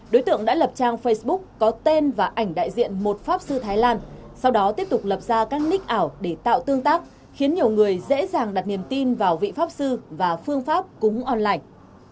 đối tượng đã lập trang facebook có tên và ảnh đại diện một pháp sư thái lan sau đó tiếp tục lập ra các nick ảo để tạo tương tác khiến nhiều người dễ dàng đặt niềm tin vào vị pháp sư và phương pháp cúng online